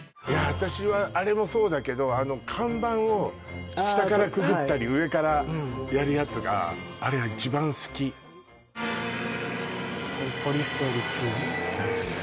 私はあれもそうだけどあの看板を下からくぐったり上からやるやつが「ポリス・ストーリー２」